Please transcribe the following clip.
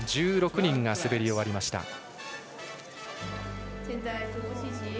１６人が滑り終わりました。